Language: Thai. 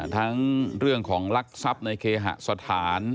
ทั้งเรื่องของลักทรัพย์ในเคหสถาน